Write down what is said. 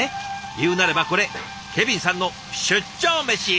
言うなればこれケビンさんの出張メシ！